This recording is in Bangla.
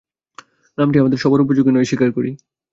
নামটি আমাদের সভার উপযোগী নয় স্বীকার করি।